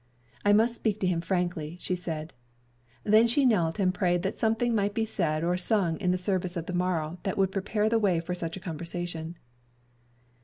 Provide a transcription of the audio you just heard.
"I must speak to him frankly," she said. Then she knelt and prayed that something might be said or sung in the service of the morrow that would prepare the way for such a conversation.